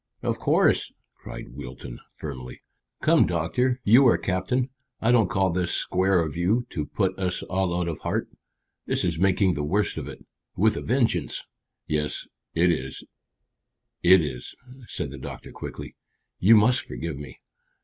"Of course," cried Wilton firmly. "Come, doctor, you are captain. I don't call this square of you to put us all out of heart. This is making the worst of it, with a vengeance." "Yes, it is it is," said the doctor quickly. "You must forgive me.